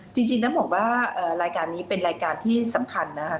จริงต้องบอกว่ารายการนี้เป็นรายการที่สำคัญนะคะ